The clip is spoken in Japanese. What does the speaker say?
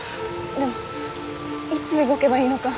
でもいつ動けばいいのか。